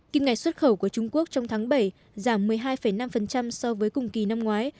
kim ngạch xuất khẩu của trung quốc trong tháng bảy giảm một mươi hai năm so với cùng kỳ năm ngoái